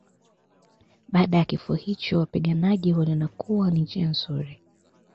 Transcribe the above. Baada ya kifo hicho wapiganaji waliona kuwa ni njia nzuri